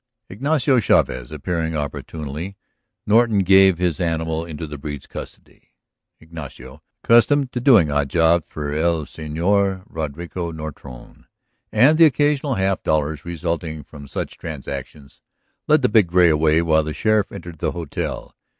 Ignacio Chavez appearing opportunely Norton gave his animal into the breed's custody; Ignacio, accustomed to doing odd jobs for el Señor Roderico Nortone, and to the occasional half dollars resulting from such transactions, led the big gray away while the sheriff entered the hotel.